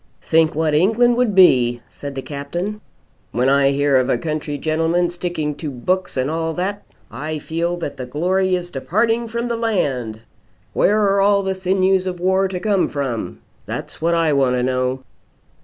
"Think what England would be!" said the Captain. "When I hear of a country gentleman sticking to books and all that, I feel that the glory is departing from the land. Where are the sinews of war to come from? That's what I want to know."